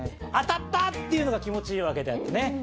「当たった！」っていうのが気持ちいいわけであってね